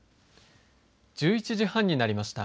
１１時半になりました。